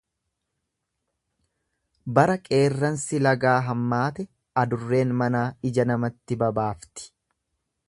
Bara qeerransi lagaa hammaate adurreen manaa ija namatti babaafti.